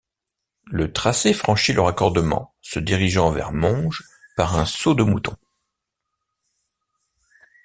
Le tracé franchit le raccordement se dirigeant vers Monge par un saut-de-mouton.